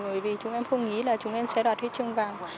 bởi vì chúng em không nghĩ là chúng em sẽ đoạt huyết chương vào